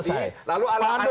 saya belum selesai